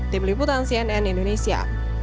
tim liputan cnn indonesia